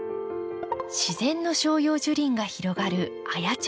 自然の照葉樹林が広がる綾町。